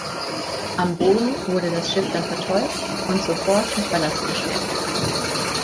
Am Boden wurde das Schiff dann vertäut und sofort mit Ballast beschwert.